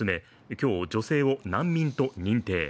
今日女性を難民と認定。